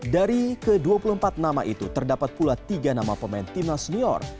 dari ke dua puluh empat nama itu terdapat pula tiga nama pemain timnas senior